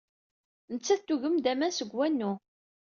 Nettat tugem-d aman seg wanu.